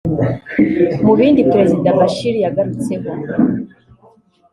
Mu bindi Perezida Bashir yagarutseho